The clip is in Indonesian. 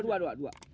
dua dua dua